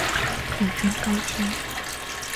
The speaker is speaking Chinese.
又称高腔。